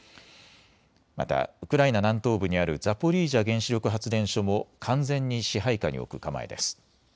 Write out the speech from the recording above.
またウクライナ南東部にあるザポリージャ原子力発電所も完全に支配下に置く構えです。